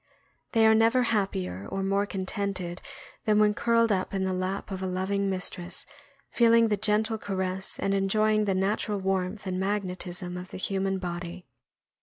They are never happier or more contented than when curled up in the lap of a loving mistress, feeling the gentle caress and enjoying the natural warmth and magnetism of the human body.